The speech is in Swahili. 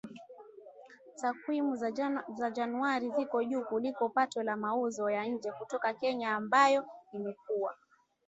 Takwimu za Januari ziko juu kuliko pato la mauzo ya nje kutoka Kenya ambayo imekuwa